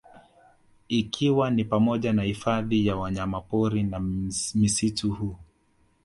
Ikiwa ni pamoja na hifadhi ya wanyamapori na misitu huu